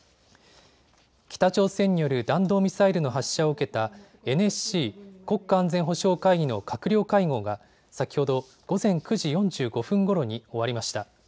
北朝鮮による弾道ミサイルの発射を受けたＮＳＣ・国家安全保障会議の閣僚会合が先ほど午前９時４５分ごろに終わりました。